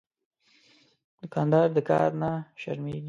دوکاندار د کار نه شرمېږي.